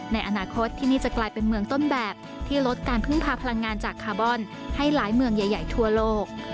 ในอนาคตที่นี่จะกลายเป็นเมืองต้นแบบที่ลดการพึ่งพาพลังงานจากคาร์บอนให้หลายเมืองใหญ่ทั่วโลก